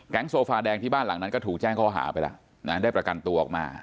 โซฟาแดงที่บ้านหลังนั้นก็ถูกแจ้งข้อหาไปแล้วนะได้ประกันตัวออกมา